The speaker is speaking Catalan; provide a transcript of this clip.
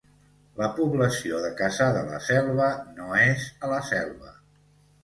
La població de Cassà de la Selva no és a La Selva